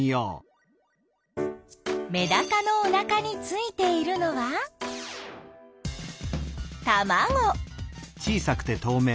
メダカのおなかについているのはたまご！